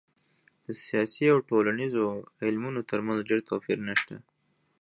د سیاسي او ټولنیزو علومو ترمنځ ډېر توپیر نسته.